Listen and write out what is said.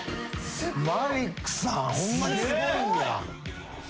マリックさんホンマにすごいんや。